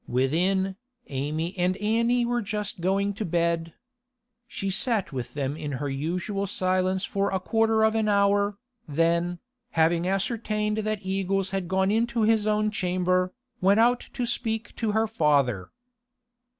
Within, Amy and Annie were just going to bed. She sat with them in her usual silence for a quarter of an hour, then, having ascertained that Eagles was gone into his own chamber, went out to speak to her father.